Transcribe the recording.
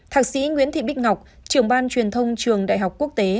thạc sĩ nguyễn thị bích ngọc trưởng ban truyền thông trường đại học quốc tế